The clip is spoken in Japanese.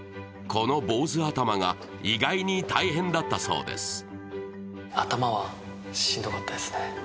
この坊主頭が意外に大変だったそうです。